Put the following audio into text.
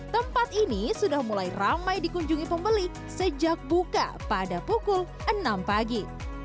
tempat ini sudah mulai ramai dikunjungi pembeli sejak buka pada pukul enam pagi